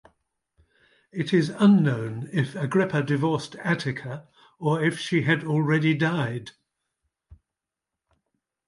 It is unknown if Agrippa divorced Attica or if she had already died.